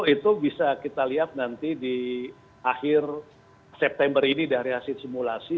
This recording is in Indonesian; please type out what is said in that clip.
itu bisa kita lihat nanti di akhir september ini dari hasil simulasi